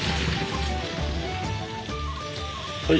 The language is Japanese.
はい。